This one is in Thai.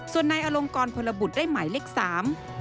ส่วนในอลงกรพลบุรกษ์ได้หมายเลขสาม